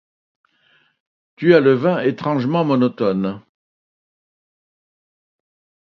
Tu as le vin étrangement monotone.